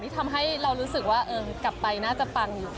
ทำให้เรารู้สึกว่ากลับไปน่าจะปัง